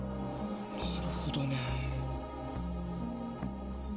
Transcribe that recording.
なるほどね。